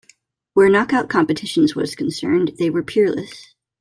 Where knock-out competitions was concerned, they were peerless.